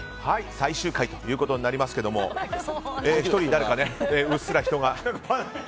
最終回ということになりますが１人誰か、うっすら人が。